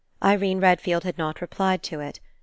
Irene Redfield had not replied to it.